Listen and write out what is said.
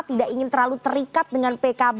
tidak ingin terlalu terikat dengan pkb